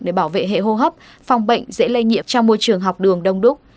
để bảo vệ hệ hô hấp phòng bệnh dễ lây nhiễm trong môi trường học đường đông đúc